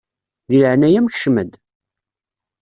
Di leɛnaya-m kcem-d!